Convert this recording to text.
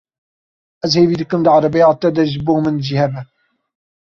Ez hêvî dikim di erebeya te de ji bo min cî hebe.